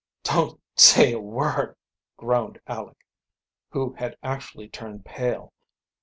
"Don't say a word," groaned Aleck, who had actually turned pale.